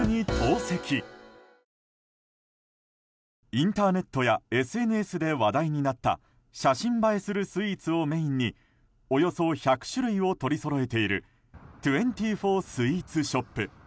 インターネットやＳＮＳで話題になった写真映えするスイーツをメインにおよそ１００種類を取りそろえている２４スイーツショップ。